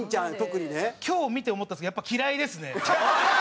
今日見て思ったんですけどやっぱ嫌いですね！